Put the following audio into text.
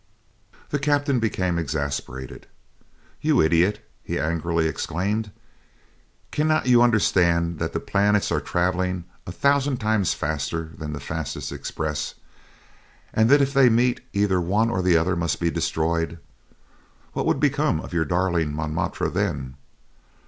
The captain became exasperated. "You idiot!" he angrily exclaimed; "cannot you understand that the planets are traveling a thousand times faster than the fastest express, and that if they meet, either one or the other must be destroyed? What would become of your darling Montmartre then?"